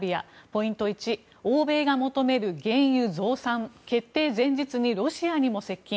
ポイント１欧米が求める原油増産決定前日にロシアにも接近。